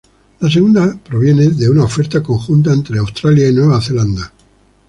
La segunda proviene de una oferta conjunta entre Australia y Nueva Zelanda.